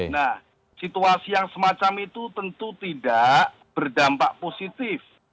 nah situasi yang semacam itu tentu tidak berdampak positif